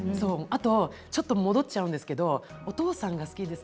ちょっと戻っちゃうんですがお父さんが好きですか？